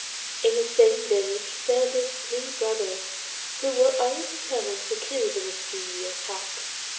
In the same village there lived three brothers, who were all determined to kill the mischievous hawk.